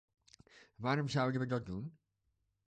Waarom zouden we dat doen?